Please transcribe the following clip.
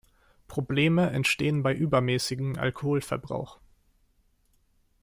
Probleme entstehen bei übermäßigem Alkoholverbrauch.